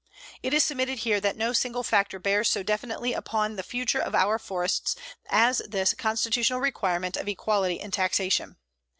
It is submitted here that no single factor bears so definitely upon the future of our forests as this constitutional requirement of equality in taxation.